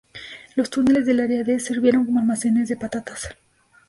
Los túneles del área D sirvieron como almacenes de patatas.